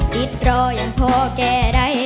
ติดรออย่างพอแก่ได้